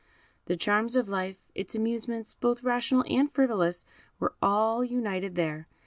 The charms of life, its amusements, both rational and frivolous, were all united there.